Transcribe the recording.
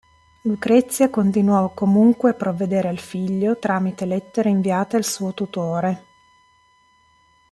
Lucrezia continuò comunque a provvedere al figlio tramite lettere inviate al suo tutore.